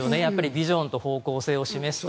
ビジョンと方向性を示すと。